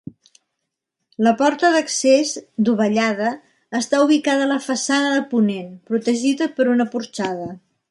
La porta d'accés, dovellada, està ubicada a la façana de ponent, protegida per una porxada.